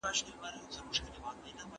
نه دې غنم کرلي خواره! د نواب جنګ دی